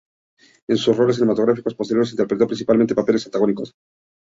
En sus roles cinematográficos posteriores interpretó principalmente papeles antagónicos.